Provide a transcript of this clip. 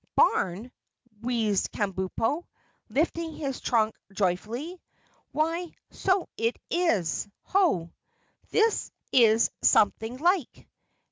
"Barn!" wheezed Kabumpo, lifting his trunk joyfully. "Why, so it is! Ho! This is something like!"